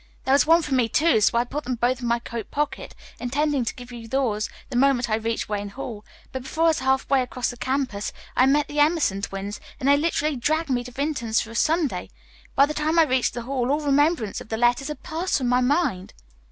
There was one for me, too, so I put them both in my coat pocket, intending to give you yours the moment I reached Wayne Hall. But before I was half way across the campus I met the Emerson twins, and they literally dragged me into Vinton's for a sundae. By the time I reached the hall, all remembrance of the letters had passed from my mind.